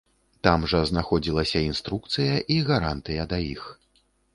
Там жа знаходзілася інструкцыя і гарантыя да іх.